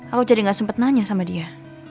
aku jadi nggak sempet nanya sama dia